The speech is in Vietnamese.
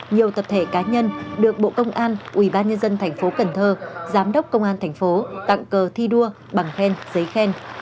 nhiều tập thể cá nhân được bộ công an ubnd tp cần thơ giám đốc công an thành phố tặng cờ thi đua bằng khen giấy khen